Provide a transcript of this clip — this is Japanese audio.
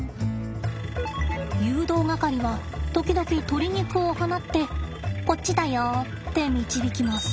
誘導係は時々鶏肉を放ってこっちだよって導きます。